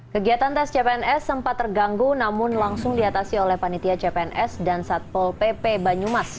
kegiatan tes cpns sempat terganggu namun langsung diatasi oleh panitia cpns dan satpol pp banyumas